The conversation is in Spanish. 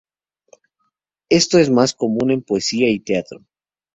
Esto es más común en poesía y teatro.